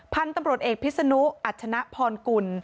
พันธุ์ตำรวจเอกพิษนุอัชนะพรกุล